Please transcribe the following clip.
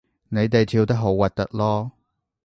你哋跳得好核突囉